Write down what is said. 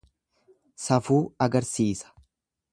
Safuu agarsiisa.